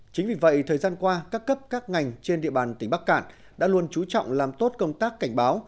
chính vì vậy thời gian qua các cấp các ngành trên địa bàn tỉnh bắc cạn đã luôn trú trọng làm tốt công tác cảnh báo